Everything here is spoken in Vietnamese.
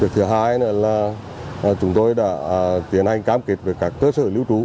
thứ hai nữa là chúng tôi đã tiến hành cam kết với các cơ sở lưu trú